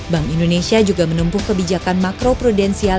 bank indonesia juga menempuh kebijakan makro prudensial